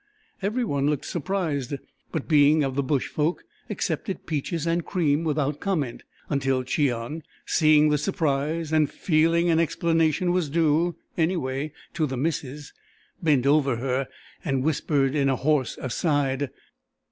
Every one looked surprised, but, being of the bush folk, accepted peaches and cream without comment, until Cheon, seeing the surprise, and feeling an explanation was due—anyway to the missus—bent over her and whispered in a hoarse aside.